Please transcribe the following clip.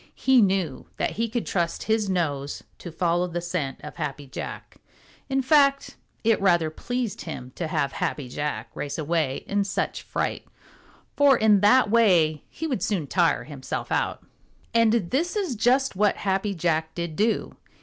He knew that he could trust his nose to follow the scent of Happy Jack. In fact, it rather pleased him to have Happy Jack race away in such fright, for in that way he would soon tire himself out. And this is just what Happy Jack did do.